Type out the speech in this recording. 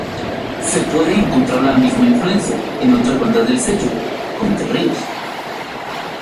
Se puede encontrar la misma influencia en otras bandas del sello, cómo Entre Ríos.